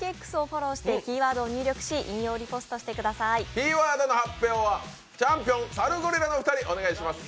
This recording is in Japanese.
キーワードの発表はチャンピオン、サルゴリラのお二人お願いします。